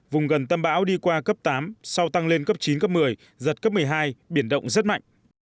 vùng gần tâm bão đi qua cấp tám sau tăng lên cấp chín cấp một mươi giật cấp một mươi hai biển động rất mạnh